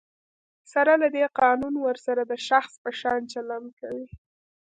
سره له دی، قانون ورسره د شخص په شان چلند کوي.